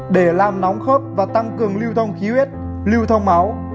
để làm nóng khớt và tăng cường lưu thông khí huyết lưu thông máu